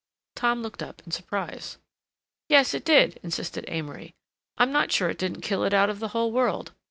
Tom looked up in surprise. "Yes it did," insisted Amory. "I'm not sure it didn't kill it out of the whole world.